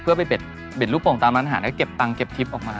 เพื่อไปเปิดรูปโบ่งตามร้านหาแล้วก็เก็บตังค์เก็บทริปออกมา